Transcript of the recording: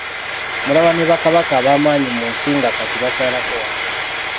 Mulaba ne Bakabaka abaamaanyi mu nsi nga kati baakyalako wano.